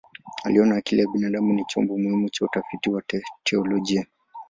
Aliona akili ya binadamu ni chombo muhimu cha utafiti wa teolojia.